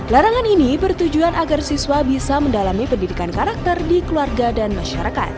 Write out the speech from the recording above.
larangan ini bertujuan agar siswa bisa mendalami pendidikan karakter di keluarga dan masyarakat